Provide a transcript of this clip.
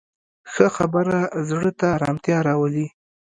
ښه خبره زړه ته ارامتیا راولي